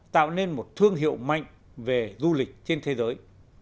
tạo nên một thương hiệu mạnh về du lịch trên thế giới